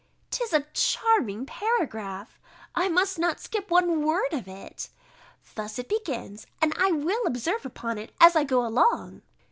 'Tis a charming paragraph; I must not skip one word of it. Thus it begins, and I will observe upon it as I go along.